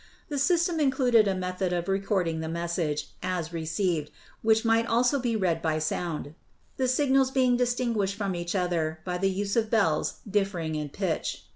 The system included a method of recording the message as received, which might also be read by sound, the signals 296 ELECTRICITY being distinguished from each other by the use of bells differing in pitch.